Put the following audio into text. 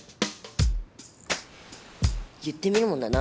言ってみるもんだな。